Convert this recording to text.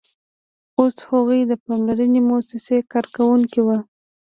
اوس هغوی د پاملرنې موسسې کارکوونکي وو